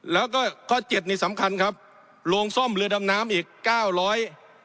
แล้วก็ข้อเจ็ดนี่สำคัญครับโรงซ่อมเรือดำน้ำอีกเก้าร้อย